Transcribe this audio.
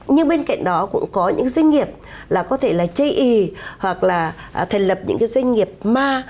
nhưng bên cạnh đó cũng có những doanh nghiệp là có thể là chê ý hoặc là thành lập những cái doanh nghiệp ma